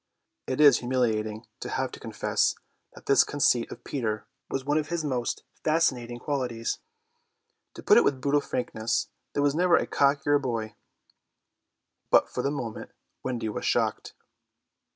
It is humiliating to have to confess that this conceit of Peter was one of his most fascinating qualities. To put it with brutal frankness, there never was a cockier boy. But for the moment Wendy was shocked.